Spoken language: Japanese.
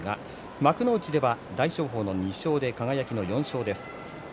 幕内では大翔鵬の２勝輝の４勝です。